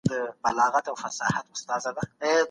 زه ټولګي ته ننوځم.